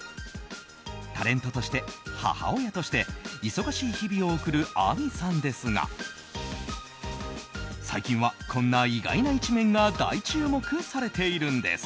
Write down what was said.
タレントとして、母親として忙しい日々を送る亜美さんですが最近は、こんな意外な一面が大注目されているんです。